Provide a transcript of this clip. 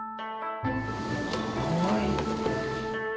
かわいい。